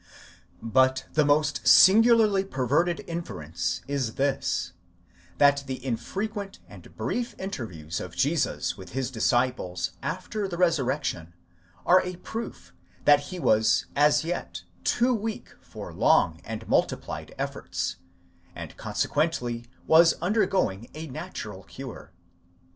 '6 But the most singularly perverted inference is this: that the infrequent and brief interviews of Jesus with his disciples after the resurrection are a proof that he was as yet too weak for long and multiplied efforts, and consequently was undergoing a natural cure.